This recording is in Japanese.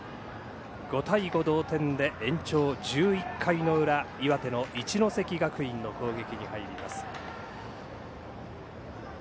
５対５同点で延長１１回の裏岩手の一関学院の攻撃に入ります。